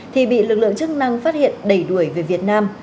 thì bị lực lượng chức năng phát hiện đẩy đuổi về việt nam